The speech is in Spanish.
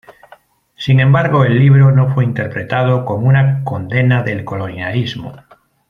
Sin embargo, el libro no fue interpretado como una condena del colonialismo.